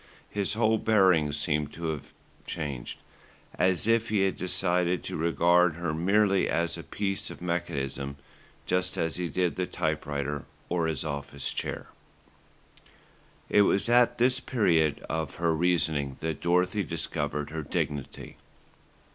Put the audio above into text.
His whole bearing seemed to have changed, as if he had decided to regard her merely as a piece of mechanism, just as he did the typewriter, or his office chair. It was at this period of her reasoning that Dorothy discovered her dignity.